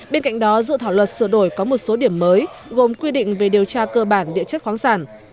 bên cạnh đó dự thảo luật sửa đổi có một số điểm mới gồm quy định về điều tra cơ bản địa chất khoáng sản